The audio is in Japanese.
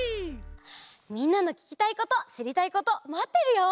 みんなのききたいことしりたいことまってるよ！